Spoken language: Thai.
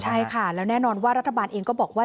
ใช่ค่ะแล้วแน่นอนว่ารัฐบาลเองก็บอกว่า